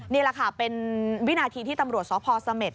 นี่แหละค่ะเป็นวินาทีที่ตำรวจสพเสม็ด